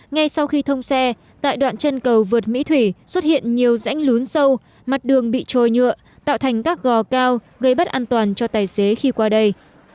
ngay sau khi thông xe tại đoạn chân cầu vượt mỹ thủy xuất hiện nhiều rãnh lún sâu mặt đường bị trôi nhựa tạo thành các gò cao gây bất an toàn cho tài xế khi qua đây